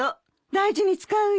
大事に使うよ。